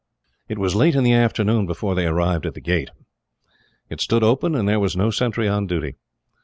It was late in the afternoon before they arrived at the gate. It stood open, and there was no sentry on duty.